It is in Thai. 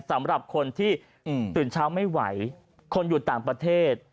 สำหรับคนที่ตื่นเช้าไม่ไหวคนอยู่ต่างประเทศ